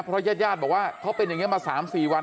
เพราะแย่บอกว่าเขาเป็นอย่างนี้มา๓๔วัน